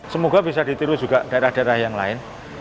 semoga bisa ditiru juga daerah daerah yang lain